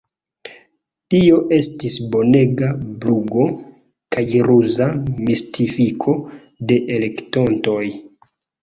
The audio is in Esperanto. Tio estis bonega blufo kaj ruza mistifiko de elektontoj.